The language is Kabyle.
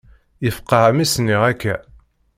Yefqeɛ mi s-nniɣ akka.